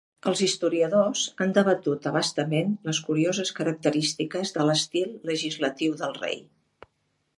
Els historiadors han debatut abastament les curioses característiques de l'estil legislatiu del rei.